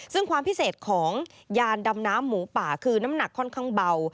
ซึ่งความพิเศษของยานดำน้ำหมูป่าคือน้ำหนักค่อนข้างเบา